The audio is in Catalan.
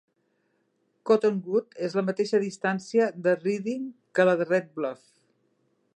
Cottonwood és a la mateixa distància de Redding que de Red Bluff.